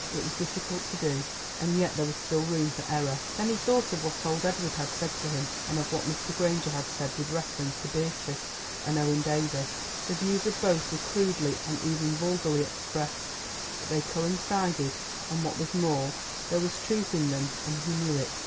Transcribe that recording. It was difficult to so, and yet there was still room for error. Then he thought of what old Edward had said to him, and of what Mr. Granger had said with reference to Beatrice and Owen Davies. The views of both were crudely and even vulgarly expressed, but they coincided, and, what was more, there was truth in them, and he knew it.